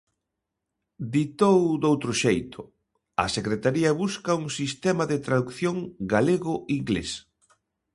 Ditou doutro xeito: a Secretaría busca un sistema de tradución galego-inglés.